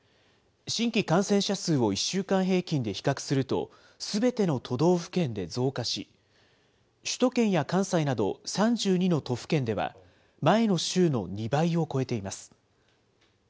新規感染者数を１週間平均で比較すると、すべての都道府県で増加し、首都圏や関西など３２の都府県では、前の週の２倍を超えています。